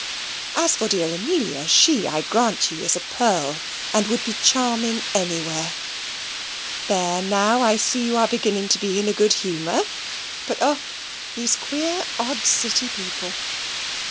As for dear Amelia, she, I grant you, is a pearl, and would be charming anywhere. There now, I see you are beginning to be in a good humour; but oh these queer odd City people!